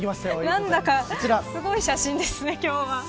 何だかすごい写真ですね、今日は。